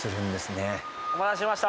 お待たせしました。